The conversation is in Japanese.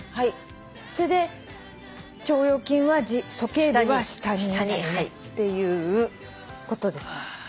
それで腸腰筋は鼠径部は下にっていうことです。